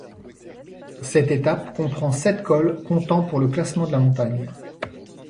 Cette étape comprend sept cols comptant pour le classement de la montagne.